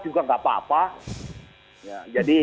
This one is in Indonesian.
juga gak apa apa